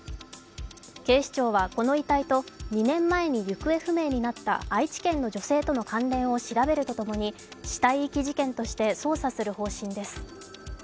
警視庁は、この遺体と２年前に行方不明になった愛知県の女性との関連を調べるとともに、死体遺棄事件として捜査する方針です。